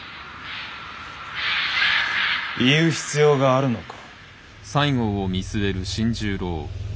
言う必要があるのか。